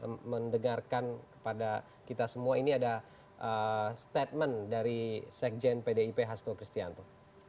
saya mendengarkan kepada kita semua ini ada statement dari sekjen pdip hasto kristianto